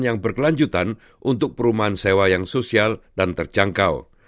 yang berkelanjutan untuk perumahan sewa yang sosial dan terjangkau